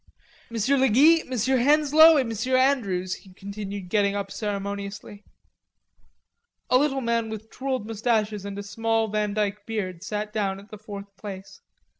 Monsieur le Guy, Monsieur Henslowe et Monsieur Andrews," he continued getting up ceremoniously. A little man with twirled mustaches and a small vandyke beard sat down at the fourth place.